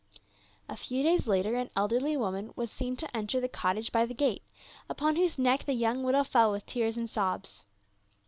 A few days later an elderly woman was seen to enter the cottage by the gate, upon whose neck the young widow fell with tears and sobs.